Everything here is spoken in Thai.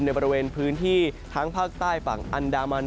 ในบริเวณพื้นที่ทั้งภาคใต้ฝั่งอันดามัน